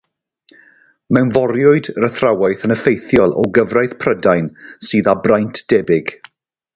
Mewnforiwyd yr athrawiaeth yn effeithiol o gyfraith Prydain sydd â braint debyg.